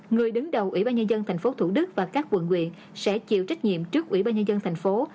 người đứng đầu ủy ban nhân dân tp thủ đức và các quận huyện sẽ chịu trách nhiệm trước ủy ban nhân dân tp thủ đức